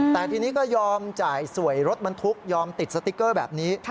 แต่ทีนี้ก็ยอมจ่ายสวยรถบรรทุกยอมติดสติ๊กเกอร์แบบนี้